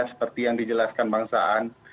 seperti yang dijelaskan bang saan